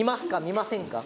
見ませんか？